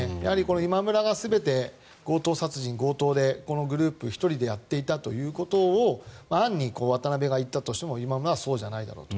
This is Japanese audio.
今村が全て強盗殺人強盗をこのグループでやっていたということを暗に渡邉が言ったとしても今村はそうじゃないだろうと。